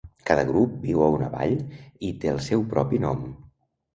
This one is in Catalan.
Cada grup viu a una vall i té el seu propi nom.